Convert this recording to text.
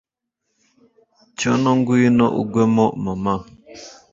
Cyono ngwino ugwemo, mama